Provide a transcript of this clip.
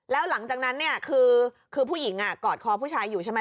แล้วหลังจากนั้นเนี่ยคือผู้หญิงกอดคอผู้ชายอยู่ใช่ไหม